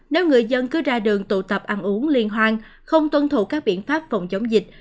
nếu người dân cứ ra đường tụ tập ăn uống liên hoan không tuân thủ các biện pháp phòng chống dịch